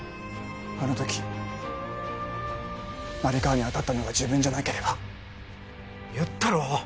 あのとき成川に当たったのが自分じゃなければ言ったろ